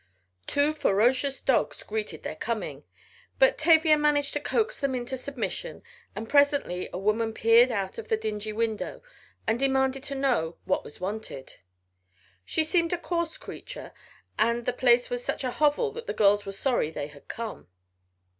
Two ferocious dogs greeted their coming but Tavia managed to coax them into submission, and presently a woman peered out of a dingy window and demanded to know what was wanted. She seemed a coarse creature and the place was such a hovel that the girls were sorry they had come.